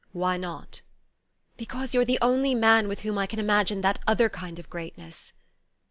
"Why not?" "Because you're the only man with whom I can imagine the other kind of greatness."